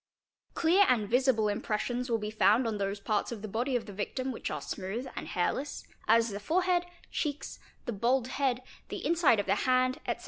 Clear and visible impressions will be found on those parts of the body of the victim which are smooth and hairless, as the forehead, cheeks, the bald head, the inside of the hand, etc.